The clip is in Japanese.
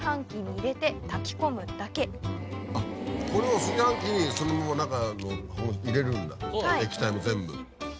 あっこれを炊飯器にそのまま中の入れるんだ液体も全部。